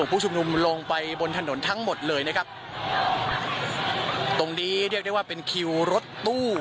ผู้ชุมนุมลงไปบนถนนทั้งหมดเลยนะครับตรงนี้เรียกได้ว่าเป็นคิวรถตู้